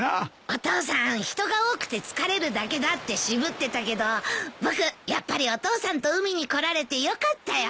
お父さん人が多くて疲れるだけだって渋ってたけど僕やっぱりお父さんと海に来られてよかったよ。